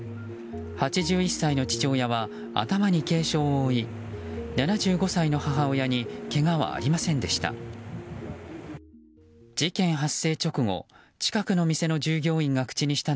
８１歳の父親は頭に軽傷を負い７５歳の母親にけがはありませんでした。